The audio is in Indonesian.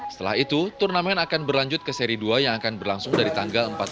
setelah itu turnamen akan berlanjut ke seri dua yang akan berlangsung dari tanggal empat belas